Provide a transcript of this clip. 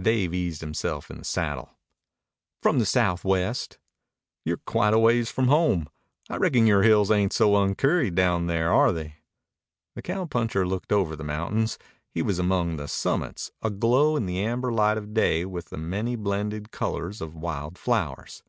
Dave eased himself in the saddle. "From the Southwest." "You're quite a ways from home. I reckon your hills ain't so uncurried down there, are they?" The cowpuncher looked over the mountains. He was among the summits, aglow in the amber light of day with the many blended colors of wild flowers.